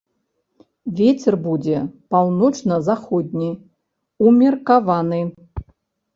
Вецер будзе паўночна-заходні ўмеркаваны.